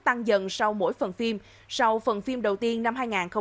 tăng dần sau mỗi phần phim sau phần phim đầu tiên năm hai nghìn một mươi năm